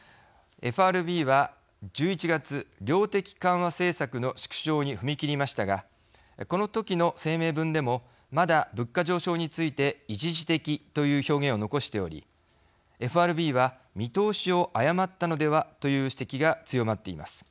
ＦＲＢは１１月量的緩和政策の縮小に踏み切りましたがこのときの声明文でもまだ物価上昇について一時的という表現を残しておりＦＲＢは見通しを誤ったのではという指摘が強まっています。